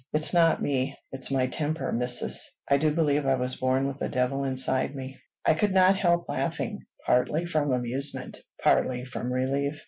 It's not me; it's my temper, mis'ess. I do believe I was born with a devil inside me." I could not help laughing, partly from amusement, partly from relief.